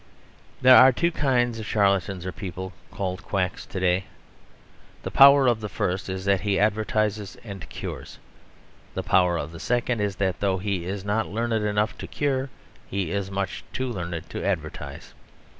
There are two kinds of charlatans or people called quacks to day. The power of the first is that he advertises and cures. The power of the second is that though he is not learned enough to cure he is much too learned to advertise.